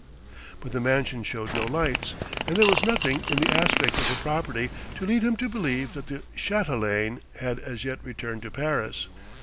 But the mansion showed no lights, and there was nothing in the aspect of the property to lead him to believe that the chatelaine had as yet returned to Paris.